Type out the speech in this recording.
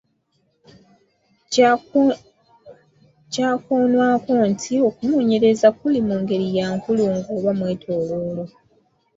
Kyakoonwako nti okunoonyereza kuli mu ngeri ya nkulungo oba mwetooloolo.